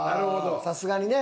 さすがにね。